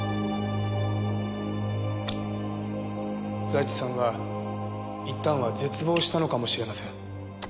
財津さんは一旦は絶望したのかもしれません。